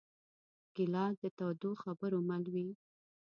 ګیلاس د تودو خبرو مل وي.